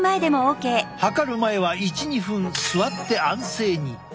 測る前は１２分座って安静に。